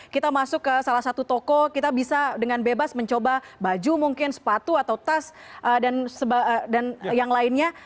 kita masuk ke salah satu toko kita bisa dengan bebas mencoba baju mungkin sepatu atau tas dan yang lainnya